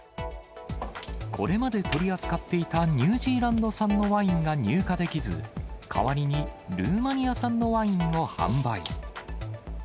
これまで取り扱っていたニュージーランド産のワインが入荷できず、代わりにルーマニア産のワインを販売。